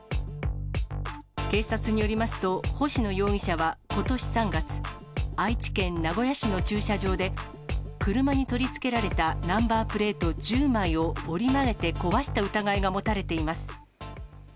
警察によりますと、星野容疑者はことし３月、愛知県名古屋市の駐車場で、車に取り付けられたナンバープレート１０枚を折り曲げて壊した疑いが持たれています。